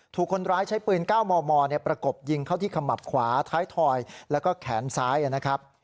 ถูกคนร้ายใช้ปืน๙มมประกบยิงเข้าที่ขมับขวาท้ายถอยแล้วก็แขนซ้ายนะครับ